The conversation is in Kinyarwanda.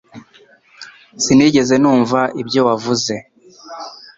Sinigeze numva ibyo wavuze